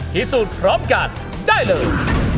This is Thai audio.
ที่สู้พร้อมกันได้เลย